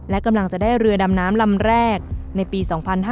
และกำลังจะได้เรือดำน้ำลำแรกในปี๒๕๕๙